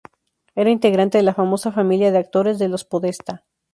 Era integrante de la famosa familia de actores de los Podestá.